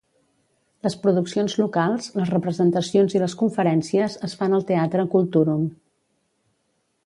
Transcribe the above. Les produccions locals, les representacions i les conferències es fan al teatre Kulturum.